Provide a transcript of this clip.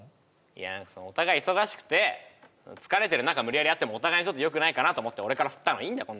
いやお互い忙しくて疲れてる中無理やり会ってもお互いにとってよくないかなと思って俺から振ったのいいんだよ